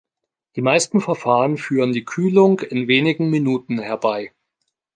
Die meisten Verfahren führen die Kühlung in wenigen Minuten herbei.